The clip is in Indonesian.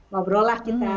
ngobrol lah kita